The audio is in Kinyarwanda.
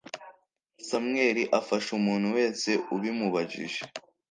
Samuel afasha umuntu wese ubimubajije